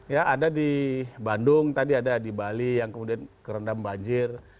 ya ada di bandung tadi ada di bali yang kemudian kerendam banjir